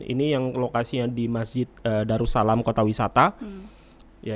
ini yang lokasinya di masjid darussalam kota wisata